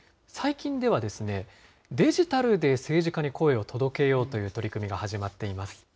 最近では、デジタルで政治家に声を届けようという取り組みが始まっています。